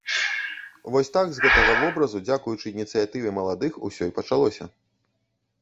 Вось так з гэтага вобразу дзякуючы ініцыятыве маладых усё і пачалося.